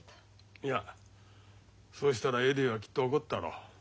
いやそしたらエディはきっと怒ったろう。